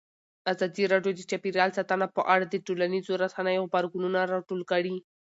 ازادي راډیو د چاپیریال ساتنه په اړه د ټولنیزو رسنیو غبرګونونه راټول کړي.